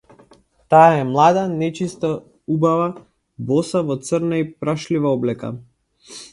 Таа е млада, нечиста убава, боса, во црна и прашлива облека.